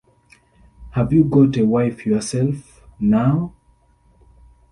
Have you got a wife yourself, now?